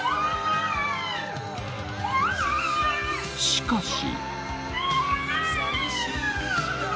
しかし。